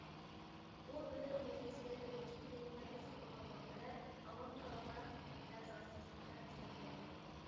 ئۇ دۆلەت مەجلىسىدە يەنە ئىككى يىل قايتا سايلانغانغا قەدەر ئاۋام پالاتا ئەزاسى سۈپىتىدە خىزمەت قىلىدۇ.